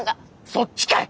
そっちかい！